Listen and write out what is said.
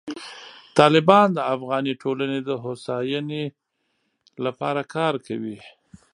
طالبان د افغاني ټولنې د هوساینې لپاره کار کوي.